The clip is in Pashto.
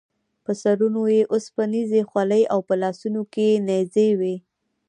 په سرونو یې اوسپنیزې خولۍ او په لاسونو کې یې نیزې وې.